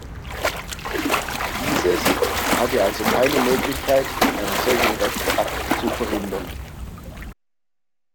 Dieses hatte also keine Möglichkeit, einen solchen Rechtsakt zu verhindern.